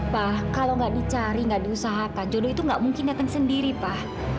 pak kalau nggak dicari nggak diusahakan jodoh itu nggak mungkin datang sendiri pak